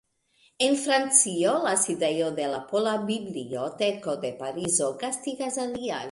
En Francio, la sidejo de la Pola Biblioteko de Parizo gastigas alian.